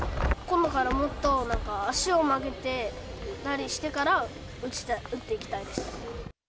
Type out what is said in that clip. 今度からもっと、なんか足を曲げて何してから、打ちたい、打っていきたいです。